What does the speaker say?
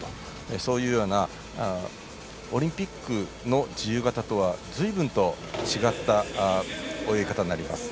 そういうオリンピックの自由形とはずいぶんと違った泳ぎ方になります。